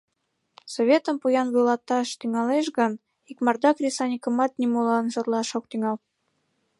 Советым поян вуйлаташ тӱҥалеш гын, икмарда кресаньыкымат нимолан шотлаш ок тӱҥал.